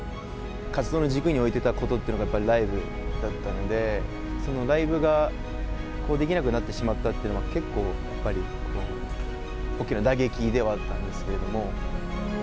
活動の軸に置いていたことというのが、やっぱりライブだったので、そのライブができなくなってしまったというのは、結構やっぱり、大きな打撃ではあったんですけれども。